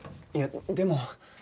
いやでも。